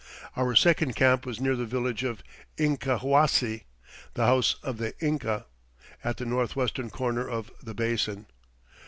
Our second camp was near the village of Incahuasi, "the house of the Inca," at the northwestern corner of the basin.